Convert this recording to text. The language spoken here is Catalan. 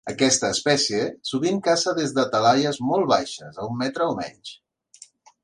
Aquesta espècie sovint caça des de talaies molt baixes, a un metre o menys.